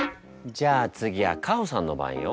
じゃあ次はカホさんの番よ。